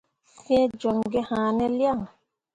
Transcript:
̃Fẽe joŋ gi haane lian ?